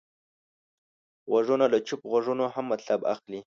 غوږونه له چوپ غږونو هم مطلب اخلي